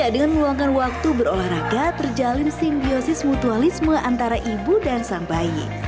dengan meluangkan waktu berolahraga terjalin simbiosis mutualisme antara ibu dan sang bayi